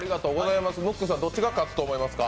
ムックさん、どっちが勝つと思いますか？